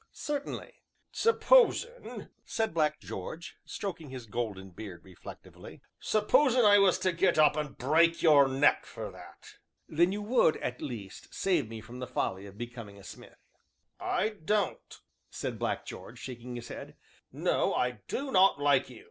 "Certainly." "Supposin'," said Black George, stroking his golden beard reflectively, "supposin' I was to get up and break your neck for that." "Then you would, at least, save me from the folly of becoming a smith." "I don't," said Black George, shaking his head, "no, I do not like you."